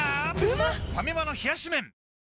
ファミマの冷し麺